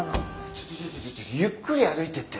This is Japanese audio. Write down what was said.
ちょちょゆっくり歩いてって。